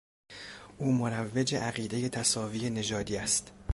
او مروج عقیدهی تساوی نژادی است.